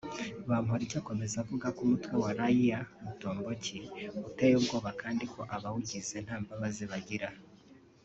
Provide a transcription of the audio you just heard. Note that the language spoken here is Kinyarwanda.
Bamporiki akomeza avuga ko umutwe wa Raia Mutomboki uteye ubwoba kandi ko abawugize nta mbabazi bagira